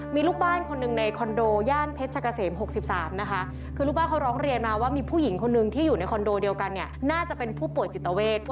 มีลูกบ้านคนหนึ่งในคอนโดย่านเพชรกะเสม๖๓นะคะคือลูกบ้านเขาร้องเรียนมาว่ามีผู้หญิงคนหนึ่งที่อยู่ในคอนโดเดียวกันเนี่ยน่าจะเป็นผู้ป่วยจิตเวท